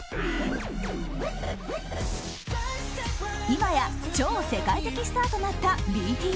いまや超世界的スターとなったＢＴＳ。